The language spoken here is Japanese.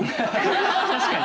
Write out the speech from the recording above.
確かに。